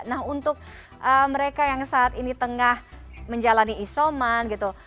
nah untuk mereka yang saat ini tengah menjalani isoman gitu